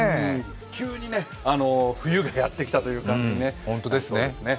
急に冬がやってきたという感じになりますね。